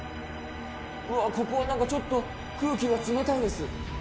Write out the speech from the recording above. うわー、ここはなんかちょっと、空気が冷たいです。